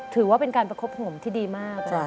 ถือว่าเป็นการประคบผมที่ดีมาก